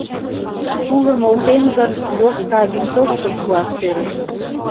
Тулым олтем гын, Лешка винтовкым пуаш сӧрыш.